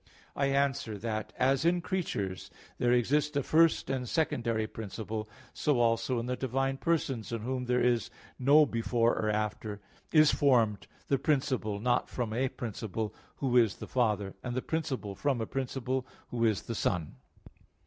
I answer that, As in creatures there exist a first and a secondary principle, so also in the divine Persons, in Whom there is no before or after, is formed the principle not from a principle, Who is the Father; and the principle from a principle, Who is the Son.